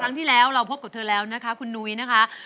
ครั้งที่แล้วเราพบกับเธอแล้วนะคะคุณนุ้ยนะคะ